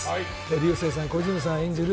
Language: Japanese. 竜星さん、小泉さん演じる